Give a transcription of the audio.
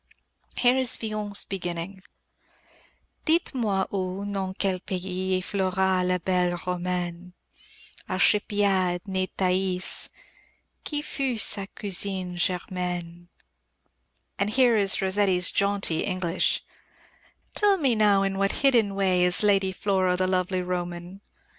Here is Villon's beginning: Dictes moy où, n'en quel pays, Est Flora, la belle Romaine? Archipiade, ne Thaïs, Qui fut sa cousine germaine? And here is Rossetti's jaunty English: Tell me now in what hidden way is Lady Flora, the lovely Roman?